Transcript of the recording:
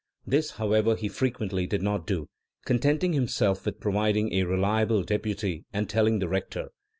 This, however, he frequently did not do, con tenting himself with providing a reliable deputy and telling the rector.